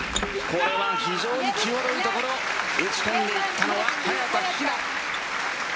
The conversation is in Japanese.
これは非常に打ち込んでいったのは早田ひな。